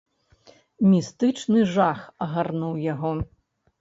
Містычны жах агарнуў яго.